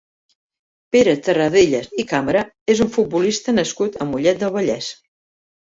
Pere Tarradellas i Cámara és un futbolista nascut a Mollet del Vallès.